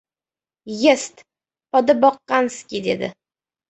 — Yest, poda boqqanskiy! - dedi.